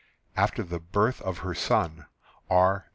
AFTER THE BIRTH OF HER SON, R.